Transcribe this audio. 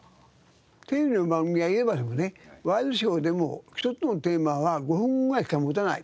テレビの番組は今でもねワイドショーでも１つのテーマは５分ぐらいしか持たないって。